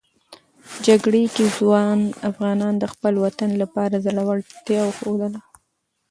جګړې کې ځوان افغانان د خپل وطن لپاره زړورتیا وښودله.